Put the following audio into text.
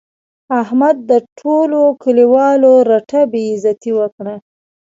احمد د ټولو کلیوالو رټه بې عزتي وکړه.